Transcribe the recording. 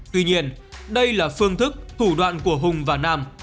tuy nhiên đây là phương thức thủ đoạn của hùng và nam